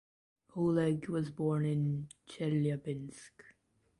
Oleg was born in Chelyabinsk.